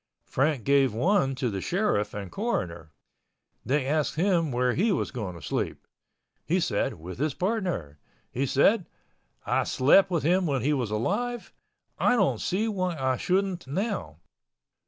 Frank gave one to the sheriff and coroner. They asked him where he was going to sleep. He said with his partner. He said, "I slept with him when he was alive—I don't see why I shouldn't now."